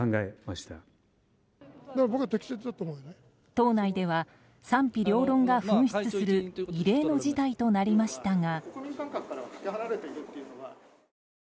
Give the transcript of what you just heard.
党内では賛否両論が噴出する異例の事態となりましたが。